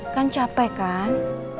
kan capek kan